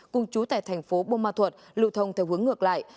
cùng chú tại thành phố bông ma thuột lưu thông theo hướng ngược lại